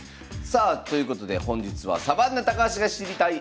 さあということで本日はサバンナ高橋が知りたい！